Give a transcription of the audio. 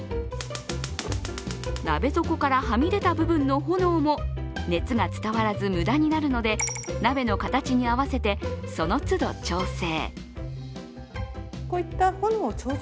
鍋底からはみ出た部分の炎も熱が伝わらず無駄になるので鍋の形に合わせて、そのつど調整。